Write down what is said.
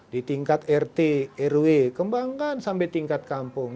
di tingkat rt rw kembangkan sampai tingkat kampung